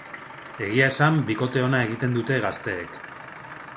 Egia esan, bikote ona egiten dute gazteek.